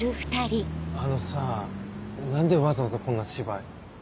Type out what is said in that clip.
あのさ何でわざわざこんな芝居？